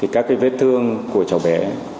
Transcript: các vết thương của cháu bé